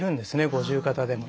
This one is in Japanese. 五十肩でも。